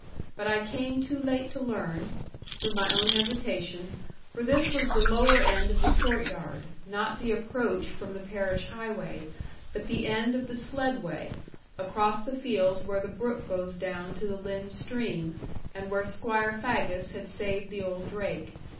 But I came too late to learn, through my own hesitation, for this was the lower end of the courtyard, not the approach from the parish highway, but the end of the sledd way, across the fields where the brook goes down to the Lynn stream, and where Squire Faggus had saved the old drake.